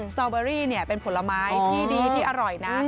สตอเบอรี่เป็นผลไม้ที่ดีที่อร่อยนะ